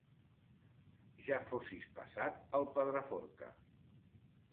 Ja fossis passat el Pedraforca!